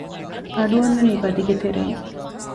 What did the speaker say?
އަޑުއަންނަނީ ބަދިގެ ތެރެއިން